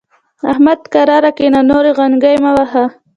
احمد؛ کرار کېنه ـ نورې غنګۍ مه وهه.